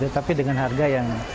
tapi dengan harga yang